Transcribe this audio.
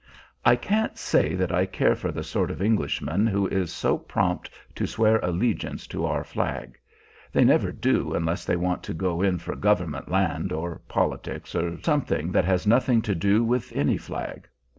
I can't say that I care for the sort of Englishman who is so prompt to swear allegiance to our flag; they never do unless they want to go in for government land, or politics, or something that has nothing to do with any flag.